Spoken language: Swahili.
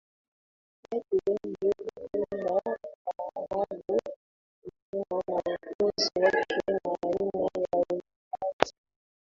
Watu wengi hupenda taarabu kutokana na utunzi wake na aina ya uimbaji